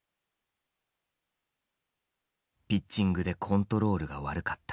「ピッチングでコントロールがわるかった」。